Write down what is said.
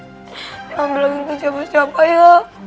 jangan bilangin ke siapa siapa ya